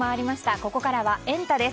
ここからはエンタ！です。